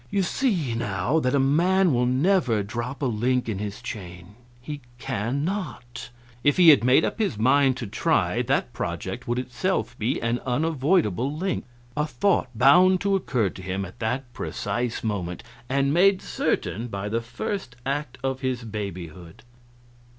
You see, now, that a man will never drop a link in his chain. He cannot. If he made up his mind to try, that project would itself be an unavoidable link a thought bound to occur to him at that precise moment, and made certain by the first act of his babyhood."